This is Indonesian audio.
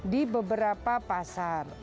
di beberapa pasar